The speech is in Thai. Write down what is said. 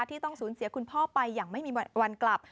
ที่ต้องสูญเสียคุณพ่อไปอย่างไม่มีวันกลับ